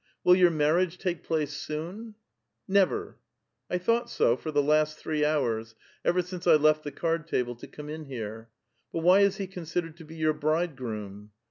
Will your marriage take place soon r* '* Never!" *' 1 thought so, for the last three hours, — ever since I left the carcl tal)le to come in here. But why is he considered to be your bridegroom?"